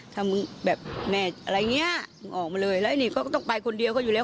ถ้ามึงแบบแม่อะไรอย่างเงี้ยมึงออกมาเลยแล้วไอ้นี่เขาก็ต้องไปคนเดียวก็อยู่แล้ว